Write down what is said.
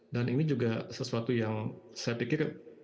dan ini juga sesuatu yang saya pikir